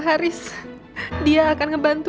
haris akan tahu